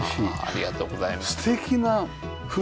ありがとうございます。